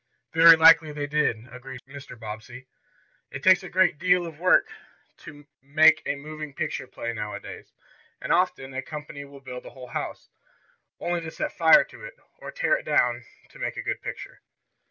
"Very likely they did," agreed Mr. Bobbsey. "It takes a great deal of work to make a moving picture play now a days, and often a company will build a whole house, only to set fire to it, or tear it down to make a good picture."